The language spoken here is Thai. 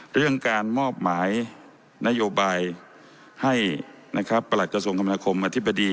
เรื่องการมอบหมายนโยบายให้ประหลักกระทรวงคำนาคมอธิบดี